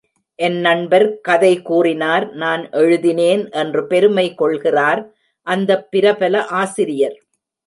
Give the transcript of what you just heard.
என் நண்பர் கதை கூறினார் நான் எழுதினேன் என்று பெருமை கொள்கிறார் அந்தப் பிரபல ஆசிரியர்.